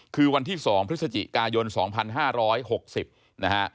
คือวันที่๒พฤศจิกายน๒๕๖๐นะฮะ